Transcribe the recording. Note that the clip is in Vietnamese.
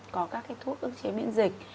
có các cái thuốc ước chế miễn dịch